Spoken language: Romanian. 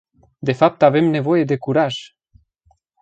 De fapt avem nevoie de curaj!